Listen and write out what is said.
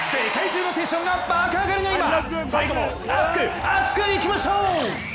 世界中のテンションが爆上がりの今最後も熱く厚くいきましょう！